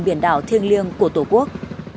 biển đảo thiêng liêng của tổ quốc